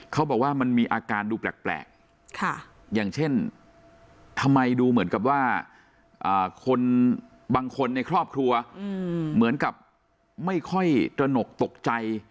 เขาบอกว่ามันมีอาการดูแปลกอย่างเช่นทำไมดูเหมือนกับว่าคนบางคนในครอบครัวเหมือนกับไม่ค่อยตระหนกตกใจ